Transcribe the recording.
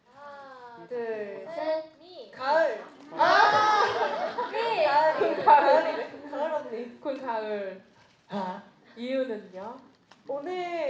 คือกาหึล